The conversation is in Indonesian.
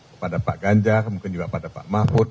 kepada pak ganjar mungkin juga pada pak mahfud